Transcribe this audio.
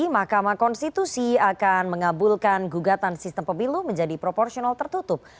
mahkamah konstitusi akan mengabulkan gugatan sistem pemilu menjadi proporsional tertutup